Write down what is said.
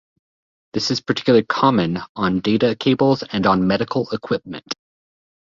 This is particularly common on data cables and on medical equipment.